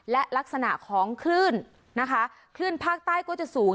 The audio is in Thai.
และลักษณะของคลื่นนะคะคลื่นภาคใต้ก็จะสูง